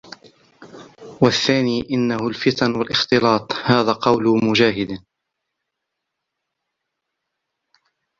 وَالثَّانِي أَنَّهُ الْفِتَنُ وَالِاخْتِلَاطُ ، وَهَذَا قَوْلُ مُجَاهِدٍ